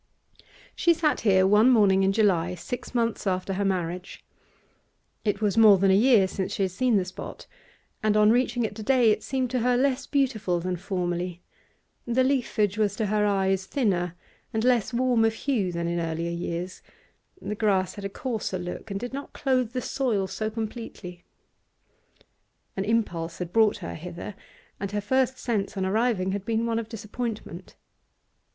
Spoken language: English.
She sat here one morning in July, six months after her marriage. It was more than a year since she had seen the spot, and on reaching it to day it seemed to her less beautiful than formerly; the leafage was to her eyes thinner and less warm of hue than in earlier years, the grass had a coarser look and did not clothe the soil so completely. An impulse had brought her hither, and her first sense on arriving had been one of disappointment.